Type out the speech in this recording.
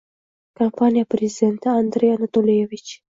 kompaniya prezidenti — Andrey Anatoliyevich.